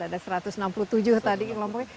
ada satu ratus enam puluh tujuh tadi yang ngelompokin